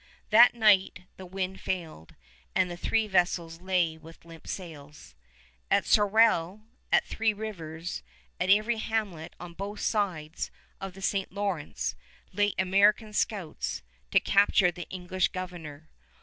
That night the wind failed, and the three vessels lay to with limp sails. At Sorel, at Three Rivers, at every hamlet on both sides of the St. Lawrence, lay American scouts to capture the English Governor.